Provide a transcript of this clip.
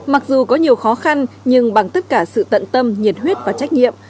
mặc dù có nhiều khó khăn nhưng bằng tất cả sự tận tâm nhiệt huyết và trách nhiệm